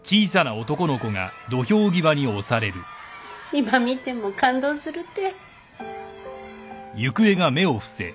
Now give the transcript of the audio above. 今見ても感動するて。